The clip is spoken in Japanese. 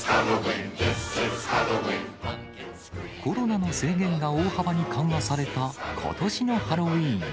コロナの制限が大幅に緩和されたことしのハロウィーン。